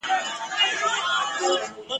نه پیسې یې وې په کور کي نه یې مال وو ,